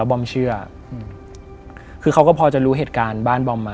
โอเคครับ